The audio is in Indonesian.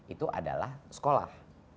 itu adalah sekolah